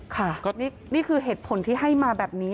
ค่ะนี่คือเหตุผลที่ให้มาแบบนี้